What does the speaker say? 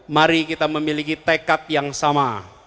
mari kita memiliki tekad yang sama